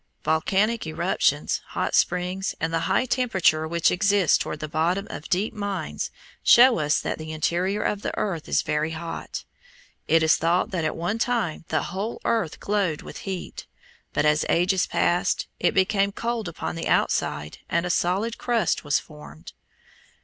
Volcanic eruptions, hot springs, and the high temperature which exists toward the bottom of deep mines show us that the interior of the earth is very hot. It is thought that at one time the whole earth glowed with heat, but as ages passed it became cold upon the outside and a solid crust was formed.